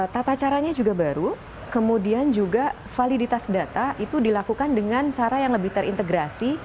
tata caranya juga baru kemudian juga validitas data itu dilakukan dengan cara yang lebih terintegrasi